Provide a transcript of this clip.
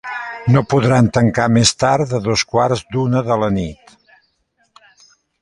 No podran tancar més tard de dos quarts d’una de la nit.